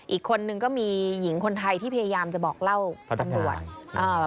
อีกคนนึงก็มีหญิงคนไทยที่พยายามจะบอกเล่าตำรวจเอ่อ